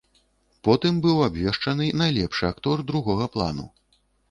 Потым быў абвешчаны найлепшы актор другога плану.